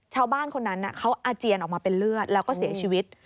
ชาวบ้านคนนั้นเขาอาเจียนออกมาเป็นเลือดแล้วก็เสียชีวิต